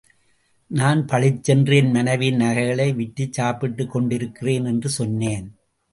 நான் பளிச்சென்று, என் மனைவியின் நகைகளை விற்று சாப்பிட்டுக் கொண்டிருக்கிறேன் என்று சொன்னேன்.